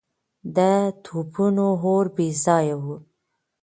د توپونو اور بې ځایه و.